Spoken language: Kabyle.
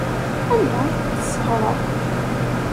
Anda ay tent-tesseɣrem?